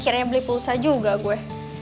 akhirnya beli pulsa juga gue